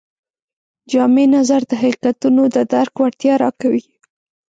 جامع نظر د حقیقتونو د درک وړتیا راکوي.